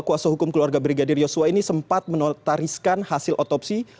kuasa hukum keluarga brigadir yosua ini sempat menotariskan hasil otopsi